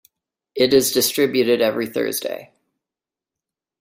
It is distributed every Thursday.